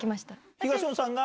東野さんが？